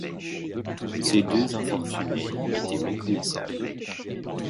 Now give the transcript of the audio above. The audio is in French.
Ces deux infortunés étaient méconnaissables.